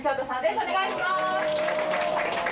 お願いします。